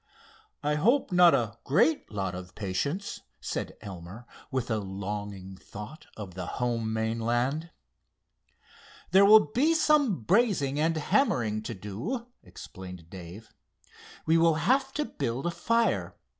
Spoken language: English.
"I hope not a great lot of patience," said Elmer, with a longing thought of the home mainland. "There will be some brazing and hammering to do," explained Dave. "We will have to build a fire.